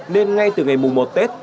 nên ngay từ ngày mùng một tết